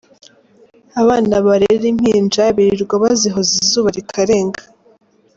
Abana barera impinja birirwa bazihoza izuba rikarenga.